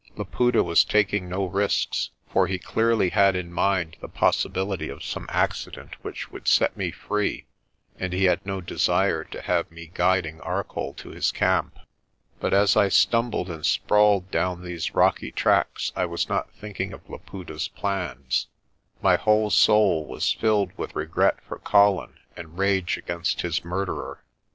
Laputa was taking no risks, for he clearly had in mind the possibility of some accident which would set me free and he had no desire to have me guiding Arcoll to his camp. But as I stumbled and sprawled down these rocky tracks I was not thinking of Laputa's plans. My whole soul was filled with regret for Colin and rage against his murderer.